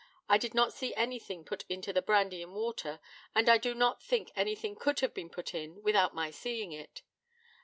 I did not see anything put into the brandy and water, and I do not think anything could have been put in without my seeing it.